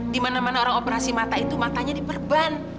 dimana mana orang operasi mata itu matanya diperban